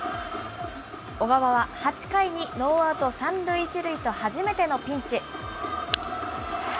小川は８回にノーアウト３塁１塁と初めてのピンチ。